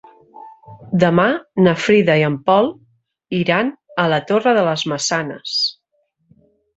Demà na Frida i en Pol iran a la Torre de les Maçanes.